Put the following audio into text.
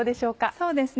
そうですね